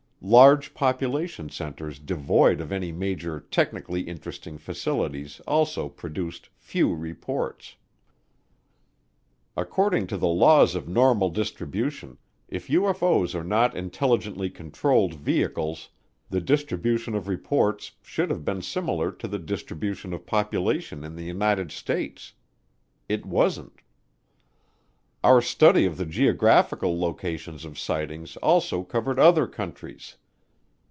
Large population centers devoid of any major "technically interesting" facilities also produced few reports. According to the laws of normal distribution, if UFO's are not intelligently controlled vehicles, the distribution of reports should have been similar to the distribution of population in the United States it wasn't. Our study of the geographical locations of sightings also covered other countries.